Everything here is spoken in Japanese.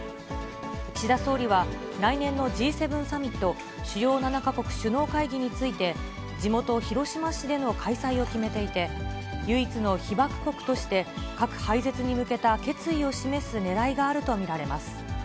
岸田総理は、来年のＧ７サミット・主要７か国首脳会議について、地元、広島市での開催を決めていて、唯一の被爆国として、核廃絶に向けた決意を示すねらいがあると見られます。